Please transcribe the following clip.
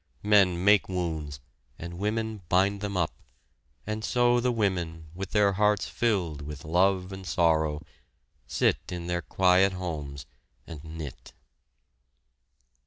Men make wounds and women bind them up, and so the women, with their hearts filled with love and sorrow, sit in their quiet homes and knit.